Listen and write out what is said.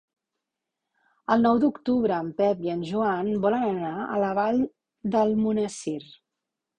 El nou d'octubre en Pep i en Joan volen anar a la Vall d'Almonesir.